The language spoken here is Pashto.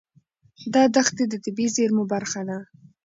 دا دښتې د طبیعي زیرمو برخه ده.